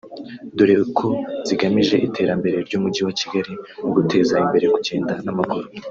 dore ko zigamije iterambere ry’Umujyi wa Kigali no guteza imbere kugenda n’amaguru